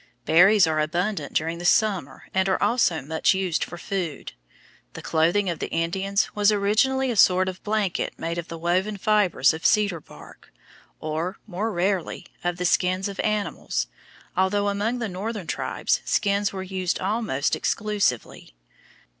Berries are abundant during the summer and are also much used for food. The clothing of the Indians was originally a sort of blanket made of the woven fibres of cedar bark, or more rarely, of the skins of animals, although among the northern tribes skins were used almost exclusively.